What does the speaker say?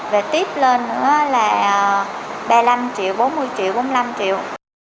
về tiếp lên nữa là ba mươi năm triệu bốn mươi triệu bốn mươi năm triệu